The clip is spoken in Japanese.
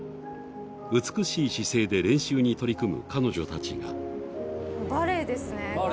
美しい姿勢で練習に取り組む彼女たちが。